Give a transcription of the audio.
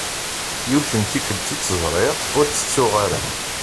Yiwet n tikelt i tt-ẓriɣ, ur tt-tettuɣ ara.